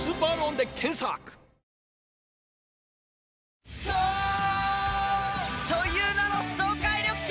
うわっ！颯という名の爽快緑茶！